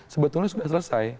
sebetulnya sudah selesai